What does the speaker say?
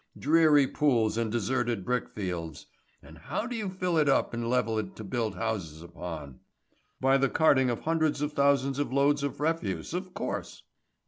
Dreary pools and deserted brickfields. And how do you fill it up and level it to build houses upon?" "By the carting of hundreds of thousands of loads of refuse, of course."